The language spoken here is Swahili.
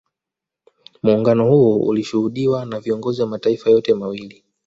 Muungano huo ulishuhudiwa na viongozi wa mataifa yote mawili